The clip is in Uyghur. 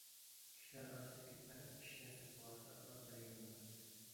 كىشىلەر ئارىسىدىكى پەرق ئىشتىن سىرتقى ۋاقتى ئارقىلىق بەلگىلىنىدۇ.